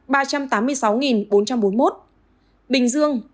bình dương ba trăm tám mươi ba sáu trăm sáu mươi chín